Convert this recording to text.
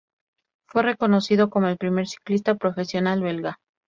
Fue reconocido como el primer ciclista profesional belga.